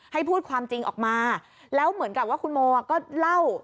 ให้พูดความจริงออกมาแล้วเหมือนกับว่าคุณโมก็เล่า